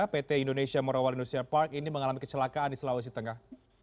pt indonesia morawal indonesia park ini mengalami kecelakaan di sulawesi tengah